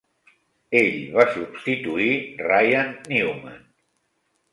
Ell va substituir Ryan Newman.